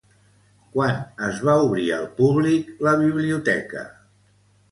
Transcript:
Quan es va obrir al públic la biblioteca?